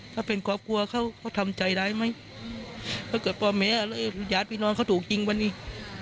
ถ้าเป็นครอบครัวเขาก็ทำใจร้ายไหมถ้าเกิดพ่อแหมอยากไปนอนเขาถูกจริงบ้างเนี่ย